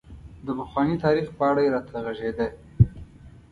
د پخواني تاريخ په اړه یې راته غږېده.